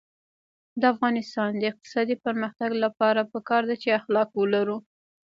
د افغانستان د اقتصادي پرمختګ لپاره پکار ده چې اخلاق ولرو.